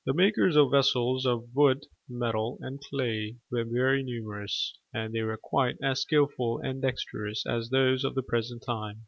The makers of vessels of wood, metal, and clay were very numerous, and they were quite as skilful and dexterous as those of the present time.